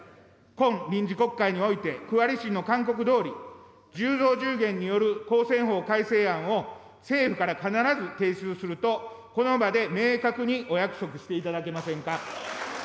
今臨時国会において、区割り審の勧告どおり、１０増１０減による公選法改正案を政府から必ず提出すると、この場で明確にお約束していただけませんか。